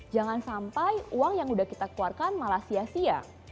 jangan sampai uang yang sudah kita keluarkan malah sia sia